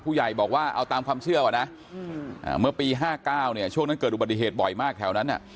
ผู้ใหญ่บอกว่าเอาตามความเชื่อก่อนนะเมื่อปี๕๙เนี่ยช่วงนั้นเกิดอุบัติเหตุบ่อยมากแถวนั้น